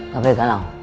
gak boleh gak tau